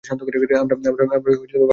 আমরা বাইরে গিয়ে গুলি করবো?